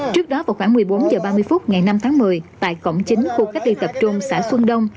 trước đó vào khoảng một mươi bốn h ba mươi phút ngày năm tháng một mươi tại cổng chính khu cách ly tập trung xã xuân đông